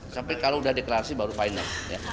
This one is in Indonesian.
sampai kalau udah deklarasi baru final